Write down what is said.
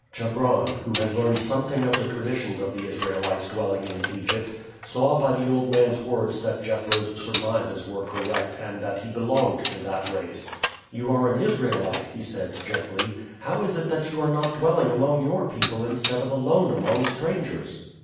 Chebron, who had learned something of the traditions of the Israelites dwelling in Egypt, saw by the old man's words that Jethro's surmises were correct and that he belonged to that race. "You are an Israelite," he said gently. "How is it that you are not dwelling among your people instead of alone among strangers?"